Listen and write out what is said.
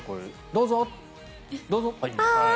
どうぞ、どうぞ。